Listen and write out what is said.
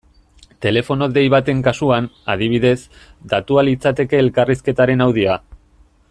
Telefono dei baten kasuan, adibidez, datua litzateke elkarrizketaren audioa.